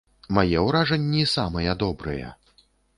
Мае ўражанні самыя добрыя.